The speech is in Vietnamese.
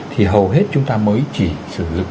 thì hầu hết chúng ta mới chỉ sử dụng